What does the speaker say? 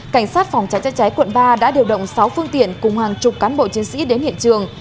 cảnh sát phòng cháy chất cháy quận ba đã điều động sáu phương tiện cùng hàng chục cán bộ chiến sĩ đến hiện trường